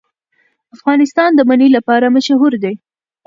افغانستان د منی لپاره مشهور دی.